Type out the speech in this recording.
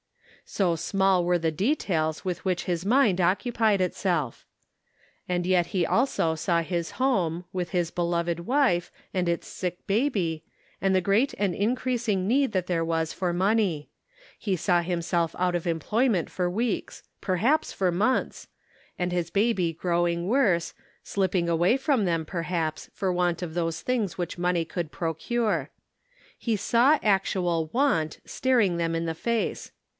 So small were the details with which his mind occupied itself ! And yet he also saw his home, with its beloved wife, and its sick baby, and the great and increasing need that there was for money ; he saw himself out of employment for weeks — perhaps for months — and his baby growing worse — slipping away from them, perhaps, for want of those things which money could procure. He saw actual want staring them in the face.